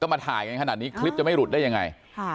มาถ่ายกันขนาดนี้คลิปจะไม่หลุดได้ยังไง